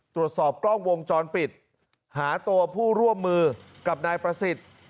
ตรวจสอบกล้องวงจรปิดหาตัวผู้ร่วมมือกับนายประสิทธิ์